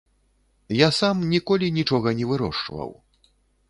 Я сам ніколі нічога не вырошчваў.